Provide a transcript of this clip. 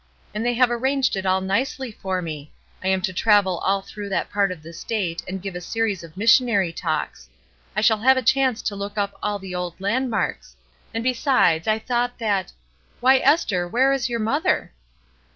And they have arranged it all nicely for me : I am to travel all through that part of the state and give a series of missionary talks. I shall have a chance to look up all the old landmarks ; and besides, I thought that — Why, Esther, where's your mother?"